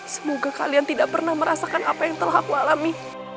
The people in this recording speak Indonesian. semoga kalian tidak pernah merasakan apa yang telah aku alami